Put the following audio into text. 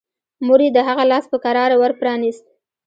مور يې د هغه لاس په کراره ور پرانيست.